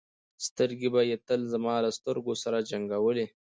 سترګې به یې تل زما له سترګو سره جنګولې.